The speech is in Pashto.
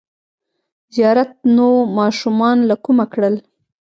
ـ زیارت نوماشومان له کومه کړل!